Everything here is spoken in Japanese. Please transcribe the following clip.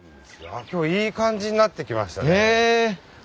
今日いい感じになってきましたね。